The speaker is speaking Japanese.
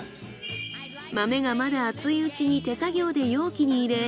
豆がまだ熱いうちに手作業で容器に入れ発酵室へ。